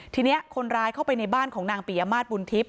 ทีนี้คนร้ายเข้าไปในบ้านของนางปิยมาตรบุญทิพย